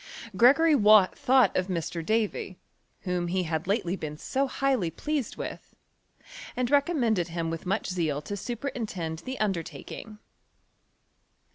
Gregory Wall thought of Mr. Davy, whom he had lately been so highly pleased with, and re* commended him with much zeal to superintend the undertaking.